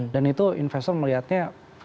dan itu investor melihatnya